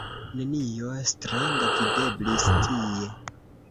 Nenio stranga videblis tie.